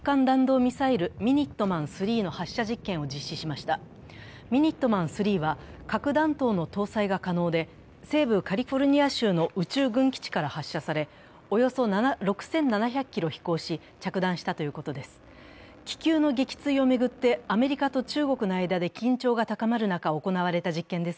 ミニットマン３は核弾頭の搭載が可能で、西部カリフォルニア州の宇宙軍基地から発射されおよそ６７００ｋｍ飛行し、着弾したということです。